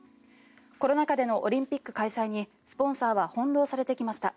コロナ禍でのオリンピック開催にスポンサーは翻ろうされてきました。